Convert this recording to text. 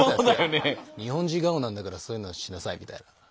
「日本人顔なんだからそういうのしなさい」みたいな。